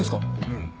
うん。